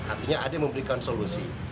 artinya ada yang memberikan solusi